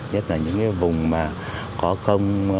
nhất là những vùng có công